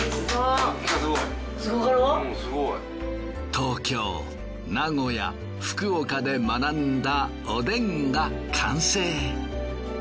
東京名古屋福岡で学んだおでんが完成。